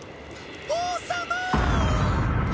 王様！